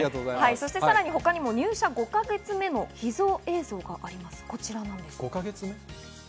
他にも入社５か月目の秘蔵映像があります。